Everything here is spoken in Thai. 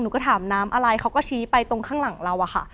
ก็ถามน้ำอะไรเขาก็ชี้ไปตรงข้างหลังเราอะค่ะ